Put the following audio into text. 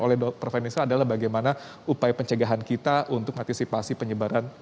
oleh prof henisa adalah bagaimana upaya pencegahan kita untuk mengantisipasi penyebaran